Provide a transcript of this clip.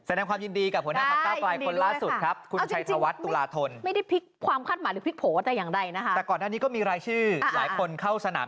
เสด็จความยินดีกับหัวหน้าพักเก้าไกรคนล่าสุดครับ